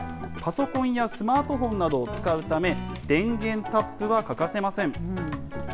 パソコンやスマートフォンなどを使うため、電源タップは欠かせません。